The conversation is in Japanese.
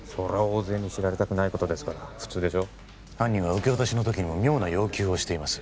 大勢に知られたくないことですから普通でしょ犯人は受け渡しの時にも妙な要求をしています